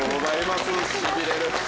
しびれる。